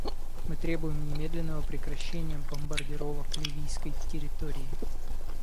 Мы требуем немедленного прекращения бомбардировок ливийской территории.